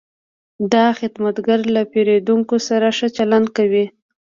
دا خدمتګر له پیرودونکو سره ښه چلند کوي.